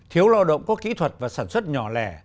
thiếu lao động có kỹ thuật và sản xuất nhỏ lẻ